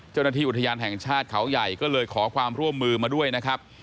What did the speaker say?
เจ้าหน้าที่อุทยานแห่งชาติเขาใหญ่ก็เลยขอความร่วมมือมาด้วยนะครับ